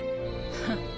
フッ！